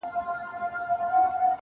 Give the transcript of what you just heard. ننوتی تر اوو پوښو انجام دی~